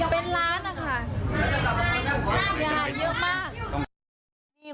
เป็นล้านนะคะเสียหายเยอะมาก